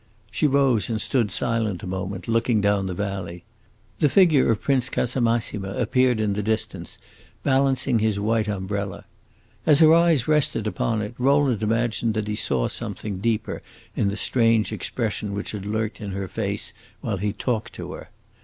She rose and stood silent a moment, looking down the valley. The figure of Prince Casamassima appeared in the distance, balancing his white umbrella. As her eyes rested upon it, Rowland imagined that he saw something deeper in the strange expression which had lurked in her face while he talked to her.